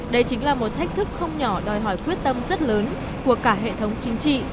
đây chính là một thách thức không nhỏ đòi hỏi quyết tâm rất lớn của cả hệ thống chính trị